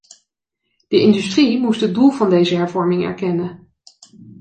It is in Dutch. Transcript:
De industrie moest het doel van deze hervorming erkennen.